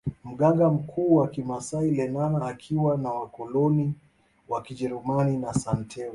Mganga mkuu wa maasai Lenana akiwa na wakoloni wa kijerumani na Santeu